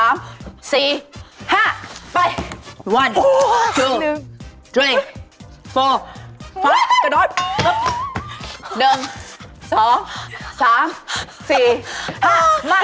แม่เจ้าหาไม้ตีหนัง